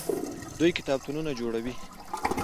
دوی کتابتونونه جوړوي.